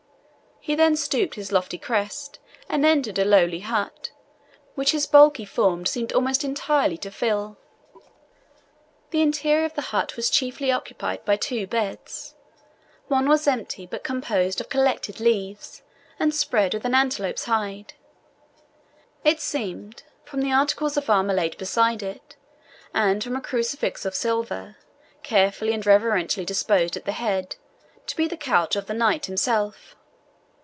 He then stooped his lofty crest, and entered a lowly hut, which his bulky form seemed almost entirely to fill. The interior of the hut was chiefly occupied by two beds. One was empty, but composed of collected leaves, and spread with an antelope's hide. It seemed, from the articles of armour laid beside it, and from a crucifix of silver, carefully and reverentially disposed at the head, to be the couch of the knight himself.